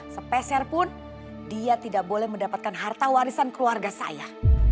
sepeser pun dia tidak boleh mendapatkan harta warisan keluarga saya